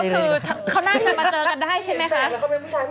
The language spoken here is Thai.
แล้วคือเขาน่านเห็นมาเจอกันได้ใช่ไหมคะ